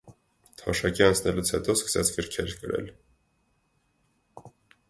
Թոշակի անցնելուց հետո սկսեց գրքեր գրել։